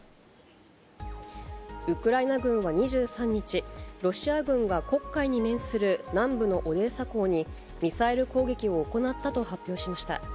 ウクライナ軍は２３日、ロシア軍が黒海に面する南部のオデーサ港にミサイル攻撃を行ったと発表しました。